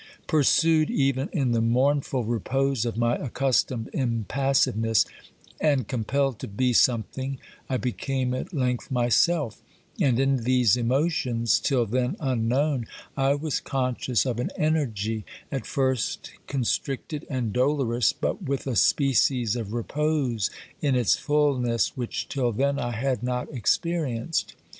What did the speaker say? Pursued even in the mournful repose of my accustomed impassiveness, and compelled to be something, I became at length myself; and in these emotions, till then unknown, I was conscious of an energy, at first constricted and dolorous, but with a species of repose in its fulness which till then I had not experienced.